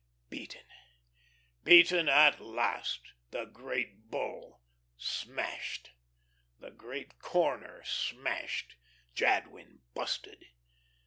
Beaten; beaten at last, the Great Bull! Smashed! The great corner smashed! Jadwin busted!